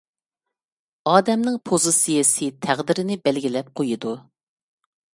ئادەمنىڭ پوزىتسىيەسى تەقدىرىنى بەلگىلەپ قويىدۇ.